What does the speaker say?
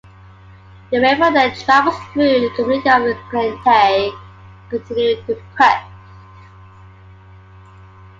The river then travels through the community of Glen Tay, continuing to Perth.